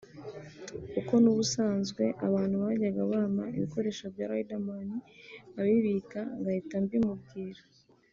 Kuko n’ubusanzwe abantu bajyaga bampa ibikoresho bya Riderman nkabibika ngahita mbimubwira